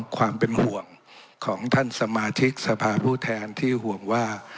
ความเป็นห่วงของท่านสมาชิกสภาพผู้แทนที่ห่วงว่า